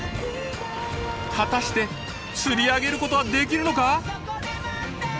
果たして釣り上げることはできるのか？